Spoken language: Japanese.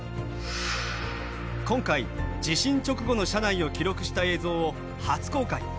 今回地震直後の社内を記録した映像を初公開。